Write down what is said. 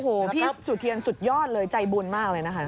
โอ้โหพี่สุเทียนสุดยอดเลยใจบุญมากเลยนะคะ